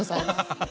ハハハ